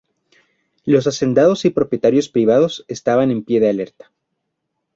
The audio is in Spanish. Los hacendados y propietarios privados estaban en pie de alerta.